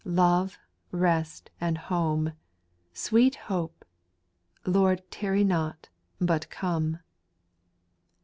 Love, rest, and home ! Sweet hope ! Lord, tarry not, out come.